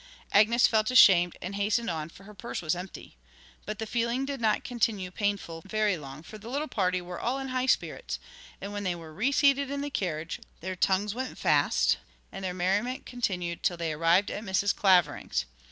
Agnes felt ashamed, and hastened on, for her purse was empty. But the feeling did not continue painful very long, for the little party were all in high spirits, and when they were reseated in the carriage, their tongues went fast, and their merriment continued till they arrived at Mrs. Clavering's.